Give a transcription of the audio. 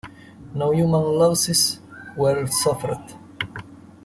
No human losses were suffered.